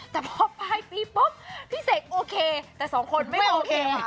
แต่พอปลายปีปุ๊บพี่เสกโอเคแต่สองคนไม่โอเค